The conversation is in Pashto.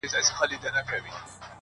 هره ورځ یې وي مرگی زموږ له زوره.!